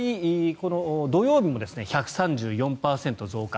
この土曜日も１３４％増加。